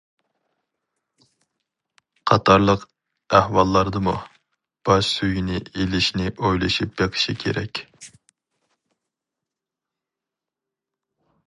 قاتارلىق ئەھۋاللاردىمۇ، باش سۈيىنى ئېلىشنى ئويلىشىپ بېقىشى كېرەك.